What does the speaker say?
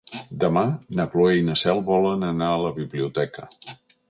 Demà na Cloè i na Cel volen anar a la biblioteca.